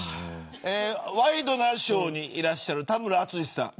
ワイドナショーにいらっしゃる田村淳さん。